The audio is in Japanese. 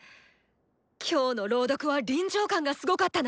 今日の朗読は臨場感がすごかったな！